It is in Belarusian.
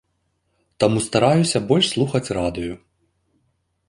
Таму стараюся больш слухаць радыё.